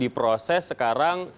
di proses sekarang